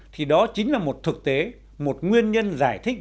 thì đó chính là một thực tế một nguyên nhân giải thích